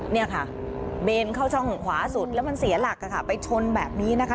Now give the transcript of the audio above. เนี่ยค่ะเบนเข้าช่องขวาสุดแล้วมันเสียหลักค่ะไปชนแบบนี้นะคะ